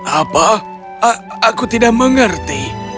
apa aku tidak mengerti